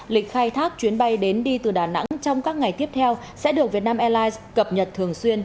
lịch khai thác chuyến bay đến đi từ đà nẵng trong các ngày tiếp theo sẽ được việt nam airlines cập nhật thường xuyên